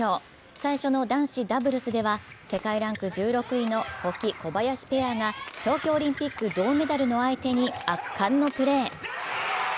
最初の男子ダブルスでは世界ランク１６位の小林・保木ペアが東京オリンピック銅メダルの相手に圧巻のプレー。